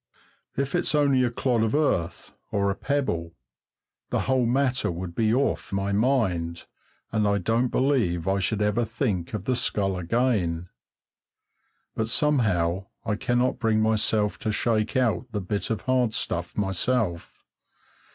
If it's only a clod of earth or a pebble, the whole matter would be off my mind, and I don't believe I should ever think of the skull again; but somehow I cannot bring myself to shake out the bit of hard stuff myself.